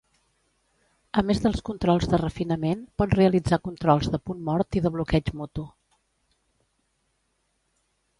A més dels controls de refinament, pot realitzar controls de punt mort i de bloqueig mutu.